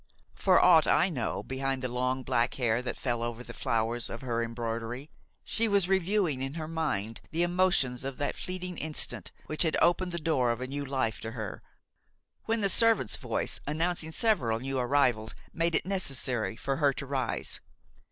For aught I know, behind the long black hair that fell over the flowers of her embroidery, she was reviewing in her mind the emotions of that fleeting instant which had opened the door of a new life to her, when the servant's voice, announcing several new arrivals, made it necessary for her to rise.